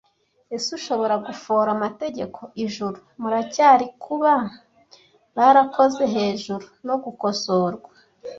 Ese ushobora gufora amategeko ijuru muracyari kuba barakoze hejuru no gukosorwa?